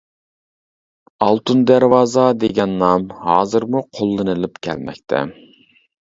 «ئالتۇن دەرۋازا» دېگەن نام ھازىرمۇ قوللىنىلىپ كەلمەكتە.